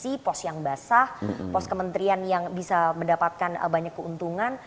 pos yang seksi pos yang basah pos kementerian yang bisa mendapatkan banyak keuntungan